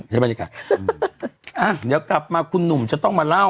บรรยากาศอ่ะเดี๋ยวกลับมาคุณหนุ่มจะต้องมาเล่า